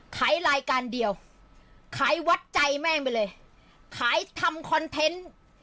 ขายรายการเดียวขายวัดใจแม่งไปเลยขายทำคอนเทนต์